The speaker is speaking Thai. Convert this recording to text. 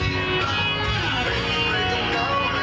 อีกเพลงหนึ่งครับนี้ให้สนสารเฉพาะเลย